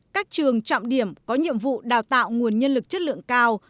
các trường trọng điểm có nhiệm vụ đào tạo nguồn nhân lực chất lượng cao